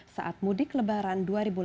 saat mudik lebaran dua ribu delapan belas